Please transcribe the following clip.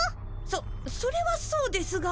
そそれはそうですが。